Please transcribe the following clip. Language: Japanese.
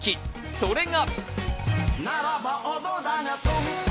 それが。